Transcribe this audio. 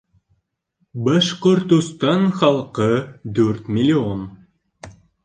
Башҡортостан халҡы дүрт млн